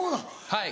はい。